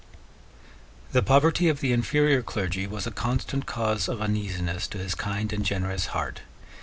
The poverty of the inferior clergy was a constant cause of uneasiness to his kind and generous heart.